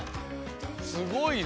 すごいな！